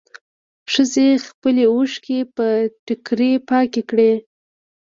ښځې خپلې اوښکې په ټيکري پاکې کړې.